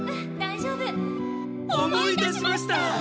思い出しました！